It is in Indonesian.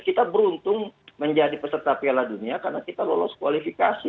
kita beruntung menjadi peserta piala dunia karena kita lolos kualifikasi